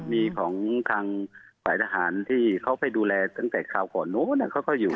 มีของทางฝ่ายทหารที่เขาไปดูแลตั้งแต่คราวก่อนนู้นเขาก็อยู่